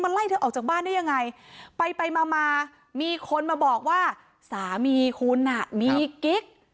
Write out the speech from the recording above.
ไล่เธอออกจากบ้านได้ยังไงไปไปมามามีคนมาบอกว่าสามีคุณอ่ะมีกิ๊ก